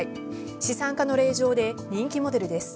資産家の令嬢で人気モデルです。